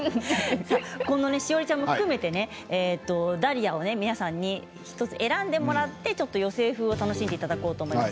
詩織ちゃんを含めてダリアを皆さんに１つ選んでもらって寄せ植え風を楽しんでいただこうと思います。